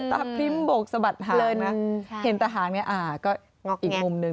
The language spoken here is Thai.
ตาพริมบกสะบัดหางน่ะเห็นตาหางนี่อ่าก็อีกมุมนึง